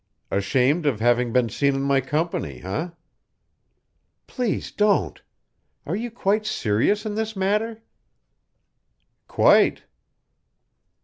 "Ashamed of having been seen in my company, eh?" "Please don't. Are you quite serious in this matter?" "Quite."